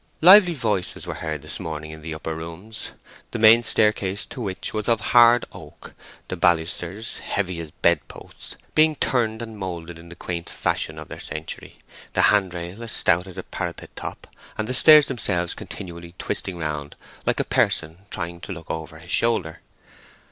Lively voices were heard this morning in the upper rooms, the main staircase to which was of hard oak, the balusters, heavy as bed posts, being turned and moulded in the quaint fashion of their century, the handrail as stout as a parapet top, and the stairs themselves continually twisting round like a person trying to look over his shoulder.